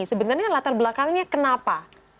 sebenarnya latar belakangnya kenapa